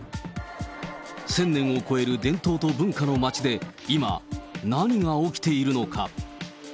１０００年を超える伝統と文化の街で今、何が起きているのか。